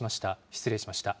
失礼しました。